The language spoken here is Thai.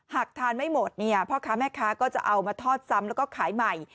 หากทานไม่หมดเนี่ยพ่อค้าแม่ค้าก็จะเอามาทอดซ้ำแล้วก็ขายใหม่